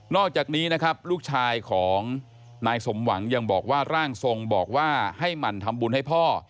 อกจากนี้นะครับลูกชายของนายสมหวังยังบอกว่าร่างทรงบอกว่าให้หมั่นทำบุญให้พ่อ